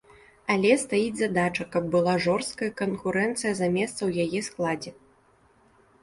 Але стаіць задача, каб была жорсткая канкурэнцыя за месца ў яе складзе.